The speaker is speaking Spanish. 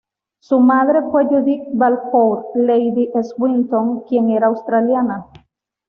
Su madre fue Judith Balfour, Lady Swinton, quien era australiana.